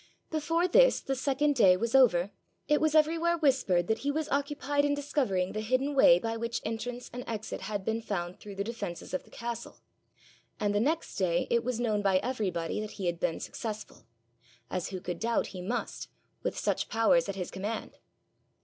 Before this, the second day, was over, it was everywhere whispered that he was occupied in discovering the hidden way by which entrance and exit had been found through the defences of the castle; and the next day it was known by everybody that he had been successful as who could doubt he must, with such powers at his command?